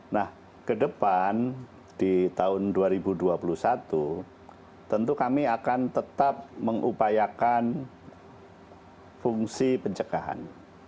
nah ke depan di tahun dua ribu dua puluh satu tentu kami akan tetap mengupayakan fungsi pencegahan